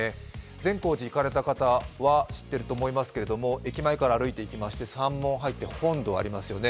善光寺に行かれた方は知っていると思いますけども、駅前から歩いて行きまして参門入って本堂ありますよね。